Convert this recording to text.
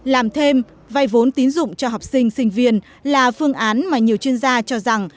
làm thêm vai vốn tín dụng cho học sinh sinh viên là phương án mà nhiều chuyên gia cho rằng